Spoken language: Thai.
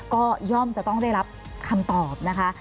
ก็ย่อมจะต้องได้รับคำตอบนะคะ